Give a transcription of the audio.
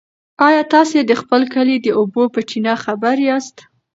ایا تاسي د خپل کلي د اوبو په چینه خبر یاست؟